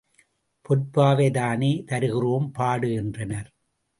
பொற்பாவை தானே தருகிறோம் பாடு என்றனர்.